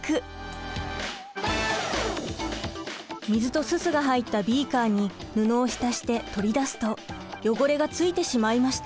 水とすすが入ったビーカーに布を浸して取り出すと汚れが付いてしまいました。